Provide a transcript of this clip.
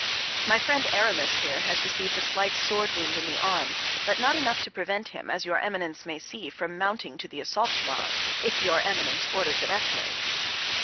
"My friend, Aramis, here, has received a slight sword wound in the arm, but not enough to prevent him, as your Eminence may see, from mounting to the assault tomorrow, if your Eminence orders an escalade."